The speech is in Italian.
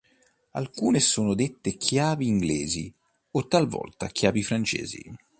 Alcune sono anche dette "chiavi inglesi" o talvolta "chiavi francesi".